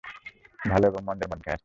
ভালো এবং মন্দের মধ্যেও আছি।